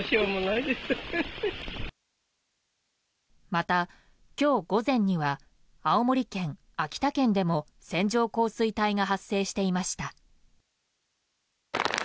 また今日午前には青森県、秋田県でも線状降水帯が発生していました。